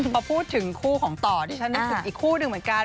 พอพูดถึงคู่ของต่อดิฉันนึกถึงอีกคู่หนึ่งเหมือนกัน